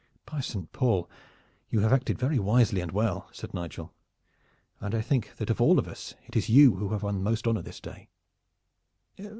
"By Saint Paul! you have acted very wisely and well," said Nigel, "and I think that of all of us it is you who have won most honor this day.